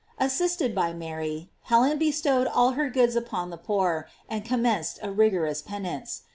Assisted by Mary, Helen bestowed all her goods upon the poor, and commenced a rigorous penance.